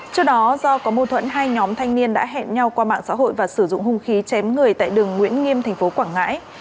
trước đó do có mâu thuẫn hai nhóm thanh niên đã hẹn nhau qua mạng xã hội và sử dụng hung khí chém người tại đường nguyễn nghiêm thành phố quảng ngãi